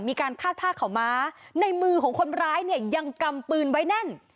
มีการคาดผ้าขาวม้าในมือของคนร้ายเนี่ยยังกำปืนไว้แน่น